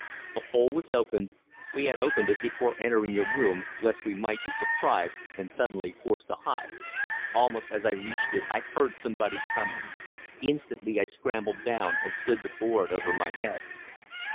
The hole was open we had opened it before entering your room, lest we might be surprised and suddenly forced to hide. Almost as I reached it I heard somebody coming. Instantly I scrambled down and slid the board over my head."